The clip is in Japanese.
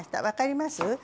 分かります？